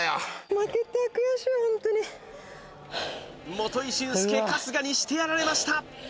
基俊介春日にしてやられました